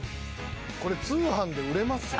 これ通販で売れますよ。